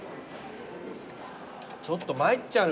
ちょっと参っちゃうね。